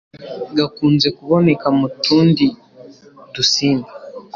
gakunze kuboneka mu tundi dusimba